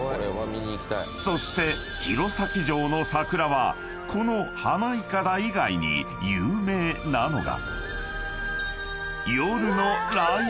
［そして弘前城の桜はこの花筏以外に有名なのが］